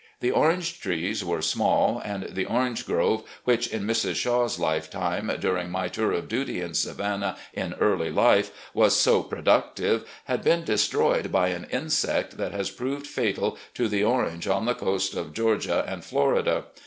The orange trees were small, and the orange grove, which, in Mrs. Shaw's lifetime, dur ing my tour of duty in Savannah in early life, was so productive, had been destroyed by an insect that has proved fatal to the orange on the coast of Georgia and Florida.